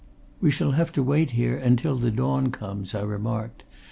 "We shall have to wait here until the dawn comes," I remarked.